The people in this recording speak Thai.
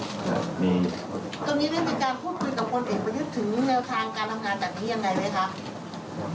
ตอนนี้เรื่องจากการพูดคุยกับคนเองมันยึดถึงทางการทำงานแบบนี้ยังไงไหมคะ